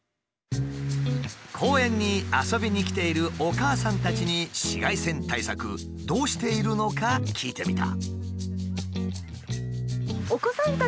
公園に遊びに来ているお母さんたちに紫外線対策どうしているのか聞いてみた。